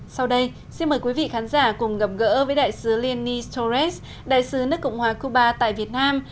sau đây xin mời quý vị khán giả cùng gặp gỡ với đại sứ lien nhi torres đại sứ nước cộng hòa cuba tại việt nam